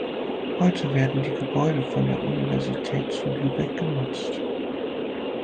Heute werden die Gebäude von der Universität zu Lübeck genutzt.